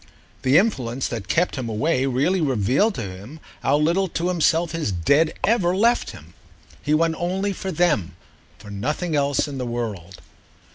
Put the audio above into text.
The influence that kept him away really revealed to him how little to himself his Dead ever left him. He went only for them—for nothing else in the world.